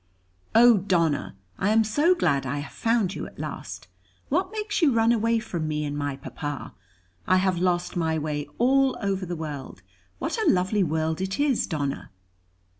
"Oh, Donna, I am so glad I have found you at last. What makes you run away from me and my Papa? I have lost my way all over the world. What a lovely world it is, Donna!"